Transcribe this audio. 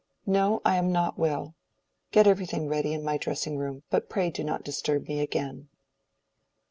"No; I am not well. Get everything ready in my dressing room, but pray do not disturb me again."